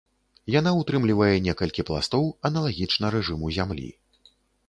Яна ўтрымлівае некалькі пластоў, аналагічна рэжыму зямлі.